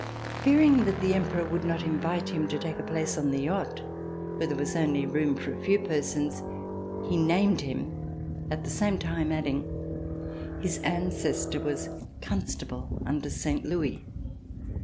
Fearing that the Emperor would not invite him to take a place on the yacht, where there was only room for a few persons, he named him, at the same time adding: "His ancestor was Constable undei Saint Louis."